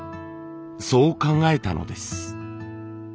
そう考えたのです。